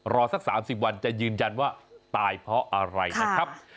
สัก๓๐วันจะยืนยันว่าตายเพราะอะไรนะครับ